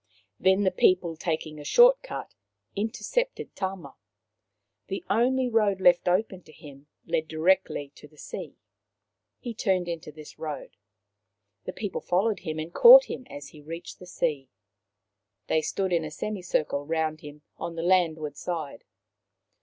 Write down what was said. Then the people, taking a short cut, intercepted Tama. The only road left open to him led directly to the sea. He turned into this road. The people followed him and caught him as he reached the sea. They stood in a semicircle round him on the landward side.